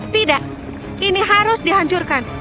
tidak ini harus dihancurkan